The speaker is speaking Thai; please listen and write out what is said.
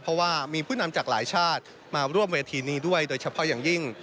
เพราะว่ามีผู้นำจากหลายชาติมาร่วมเวทีนี้ด้วยโดยเฉพาะอย่างยิ่ง